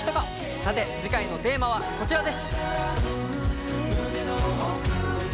さて次回のテーマはこちらです。